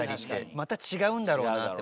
また違うんだろうなって。